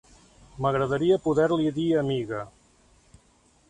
M'agradaria poder-li dir amiga.